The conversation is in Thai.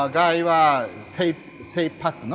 กลายอ่ะ